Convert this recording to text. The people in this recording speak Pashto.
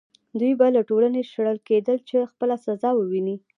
دوی به له ټولنې شړل کېدل چې خپله جزا وویني.